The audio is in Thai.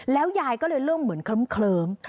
ยายก็เลยเริ่มเหมือนเคลิ้ม